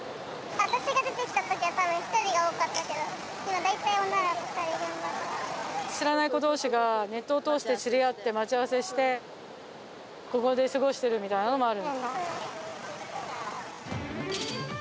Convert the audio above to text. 私が出てきたときは、たぶん１人が多かったけど、今、知らない子どうしがネットを通して知り合って待ち合わせして、ここで過ごしてるみたいなのもある？